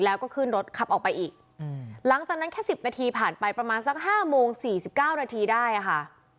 แล้วก็ขึ้นรถขับออกไปอีกหลังจากนั้นแค่๑๐นาทีผ่านไปประมาณสัก๕โมง๔๙นาทีได้ค่ะ